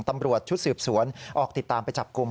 ตำรวจชุดสืบสวนออกติดตามไปจับกลุ่ม